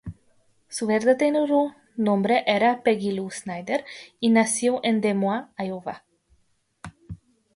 Su verdadero nombre era Peggy Lou Snyder, y nació en Des Moines, Iowa.